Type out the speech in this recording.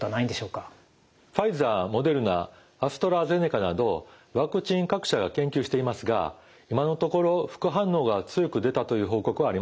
ファイザーモデルナアストラゼネカなどワクチン各社が研究していますが今のところ副反応が強く出たという報告はありません。